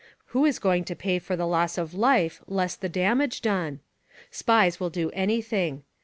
Who is going to pay for the loss of life, less the damage done? Spies v/ill do anything.